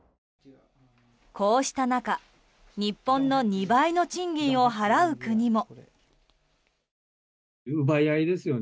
こうした中、日本の２倍の賃金を払う国も。